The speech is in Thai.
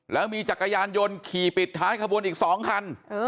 แล้วมีจักรยานยนต์ขี่ปิดท้ายขบวนอีก๒คัน